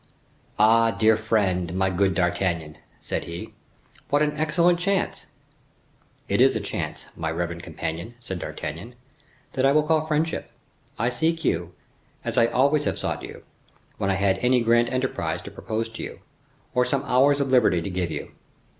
"Ah! dear friend! my good D'Artagnan," said he, "what an excellent chance!" "It is a chance, my reverend companion," said D'Artagnan, "that I will call friendship. I seek you, as I always have sought you, when I had any grand enterprise to propose to you, or some hours of liberty to give you."